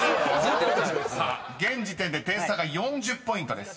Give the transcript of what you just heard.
［さあ現時点で点差が４０ポイントです］